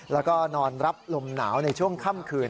แล้วก็นอนรับลมหนาวในช่วงค่ำคืน